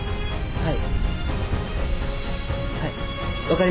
はい。